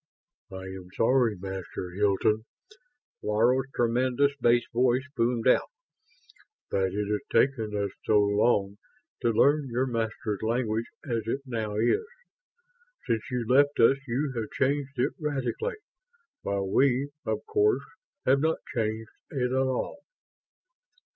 "I am sorry, Master Hilton," Laro's tremendous bass voice boomed out, "that it has taken us so long to learn your Masters' language as it now is. Since you left us you have changed it radically; while we, of course, have not changed it at all."